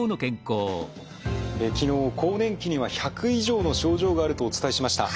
昨日更年期には１００以上の症状があるとお伝えしました。